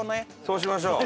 そうしましょう。